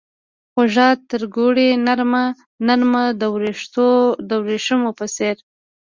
خوږه ترګوړې نرمه ، نرمه دوریښمو په څیر